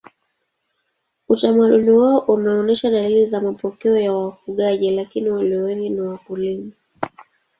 Utamaduni wao unaonyesha dalili za mapokeo ya wafugaji lakini walio wengi ni wakulima.